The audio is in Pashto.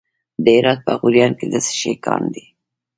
د هرات په غوریان کې د څه شي کان دی؟